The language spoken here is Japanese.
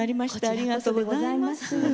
ありがとうございます。